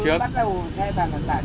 trả trước là phải trả trước